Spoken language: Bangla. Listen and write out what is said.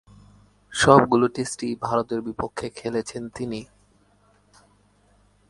সবগুলো টেস্টই ভারতের বিপক্ষে খেলেছেন তিনি।